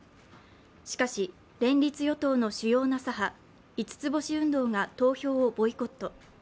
しかし、連立与党の主要な左派、五つ星運動が投票をボイコット。